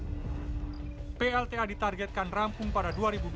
plt abang batang toru ditargetkan rampung pada